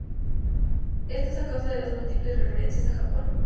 Esto es a causa de las múltiples referencias a Japón.